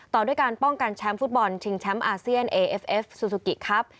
ต่อด้วยการป้องกันแชมป์ฟุตบอลชิงแชมป์อาเซียนเอเอฟเอฟซูซูกิครับ